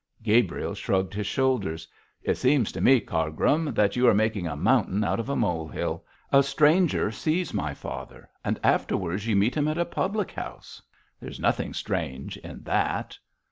Gabriel shrugged his shoulders. 'It seems to me, Cargrim, that you are making a mountain out of a mole hill. A stranger sees my father, and afterwards you meet him at a public house; there is nothing strange in that.'